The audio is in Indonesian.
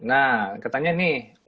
nah ketanya nih